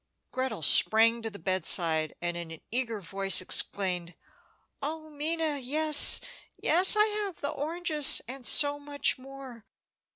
Gretel sprang to the bedside, and in an eager voice exclaimed: "Oh, Minna, yes, yes, I have the oranges, and so much more!